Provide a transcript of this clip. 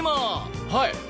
はい！